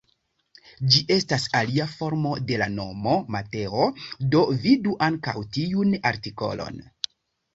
Ĝi estas alia formo de la nomo Mateo, do vidu ankaŭ tiun artikolon.